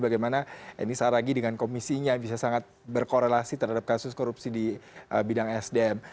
bagaimana eni saragi dengan komisinya bisa sangat berkorelasi terhadap kasus korupsi di bidang sdm